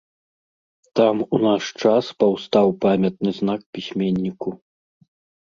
Там у наш час паўстаў памятны знак пісьменніку.